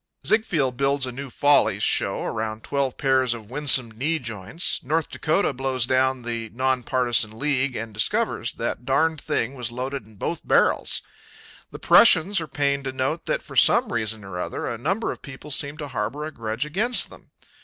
Ziegfeld builds a new Follies show around twelve pairs of winsome knee joints. North Dakota blows down the Nonpartisan League and discovers that darned thing was loaded in both barrels. The Prussians are pained to note that for some reason or other a number of people seem to harbor a grudge against them.